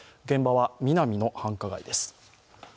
現場はミナミの繁華街です。